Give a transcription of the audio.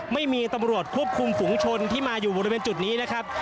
ไม่มีตำรวจควบคุมฝุงชนที่มาอยู่บริเวณจุดนี้นะครับ